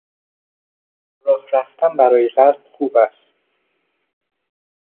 راه رفتن برای قلب خوب است.